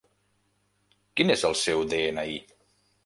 Quin és el seu de-ena-i?